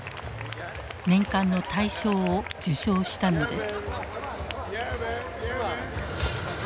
年間の大賞を受賞したのです。